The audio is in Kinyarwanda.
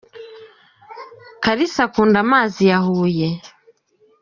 Kalisa Akunda amazi ya huye.